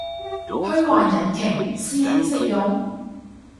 虛幻引擎？師兄識用？